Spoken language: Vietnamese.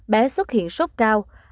bé xuất hiện sốt cao